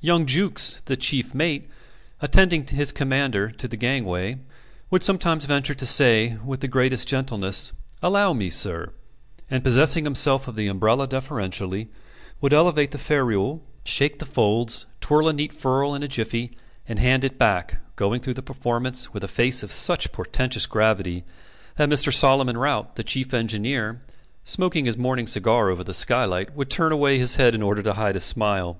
Young Jukes, the chief mate, attending his commander to the gangway, would sometimes venture to say, with the greatest gentleness, "Allow me, sir" and possessing himself of the umbrella deferentially, would elevate the ferule, shake the folds, twirl a neat furl in a jiffy, and hand it back; going through the performance with a face of such portentous gravity, that Mr. Solomon Rout, the chief engineer, smoking his morning cigar over the skylight, would turn away his head in order to hide a smile.